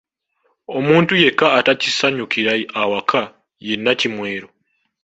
Omuntu yekka ataakisanyukira awaka ye Nnakimwero